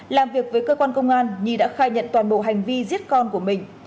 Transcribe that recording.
làm việc với cơ quan công an nhi đã khai nhận toàn bộ hành vi giết con của mình